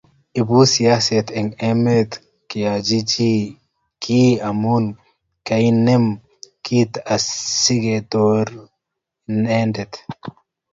ibu siaset eng emet keyochi chii kiiy amu kainem kiy asigetore inendet